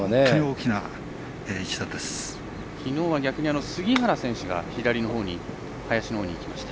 きのうは逆に杉原選手が左の林のほうに行きました。